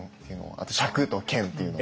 あと尺と間っていうの。